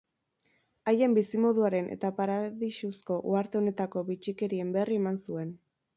Haien bizimoduaren eta paradisuzko uharte honetako bitxikerien berri eman zuen.